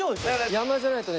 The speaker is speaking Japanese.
山じゃないとね